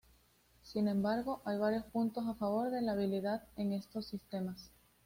Sin embargo, hay varios puntos a favor de la habitabilidad en estos sistemas.